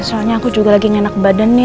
soalnya aku juga lagi ngenak badan nih